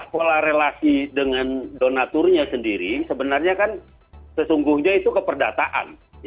pola relasi dengan donaturnya sendiri sebenarnya kan sesungguhnya itu keperdataan